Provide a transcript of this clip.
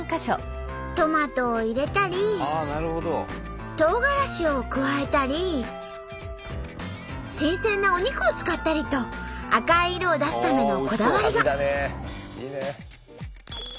トマトを入れたりトウガラシを加えたり新鮮なお肉を使ったりと赤い色を出すためのこだわりが。